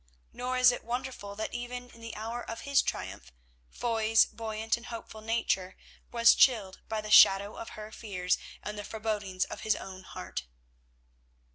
Nor is it wonderful that even in the hour of his triumph Foy's buoyant and hopeful nature was chilled by the shadow of her fears and the forebodings of his own heart.